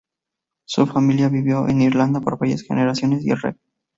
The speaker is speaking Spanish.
Su familia vivió en Irlanda por varias generaciones y el Rev.